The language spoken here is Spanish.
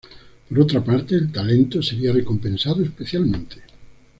Por otra parte, el talento sería recompensado especialmente.